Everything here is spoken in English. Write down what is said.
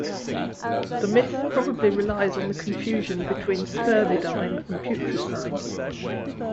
The myth probably relies on the confusion between spermidine and putrescine.